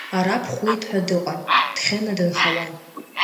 Араԥ Хәиҭ ҳәа дыҟан, Ҭхьына дынхауан.